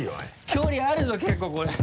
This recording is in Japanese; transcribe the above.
距離あるぞ結構これ。